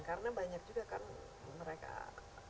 karena banyak juga kan mereka